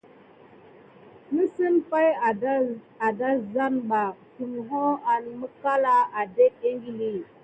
Nəsəŋ pay adazaneba tulho an mikalà adéke ékili.